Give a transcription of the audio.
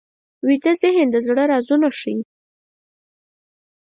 ویده ذهن د زړه رازونه ښيي